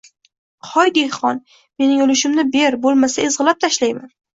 Hoy, dehqon, mening ulushimni ber, bo’lmasa ezg’ilab tashlayman